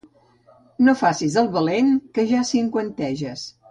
No facis el valent, que ja cinquanteges.